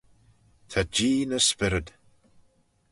Ta Jee ny spyrryd.